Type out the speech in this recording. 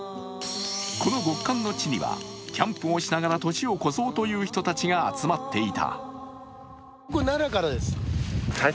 この極寒の地にはキャンプをしながら年を越そうという人たちが集まっていた。